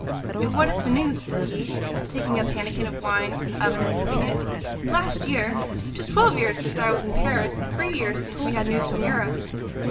"And what is the news?" said he, taking a pannikin of wine from the oven and sipping it. "Last year! 'Tis twelve years since I was in Paris and three years since we had news from Europe."